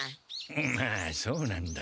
まあそうなんだが。